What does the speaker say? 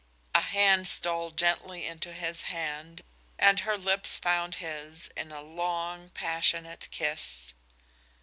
A hand stole gently into his hand, and her lips found his in a long, passionate kiss.